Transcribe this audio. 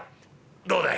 どうだい？